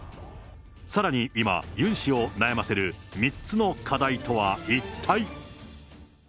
さらに今、ユン氏を悩ませる３つの課題とは一体。